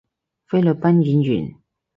菲律賓演員